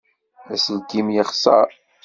Aselkim yexseṛ.